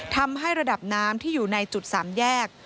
ทำให้ระดับน้ำที่อยู่ในจุด๓แยก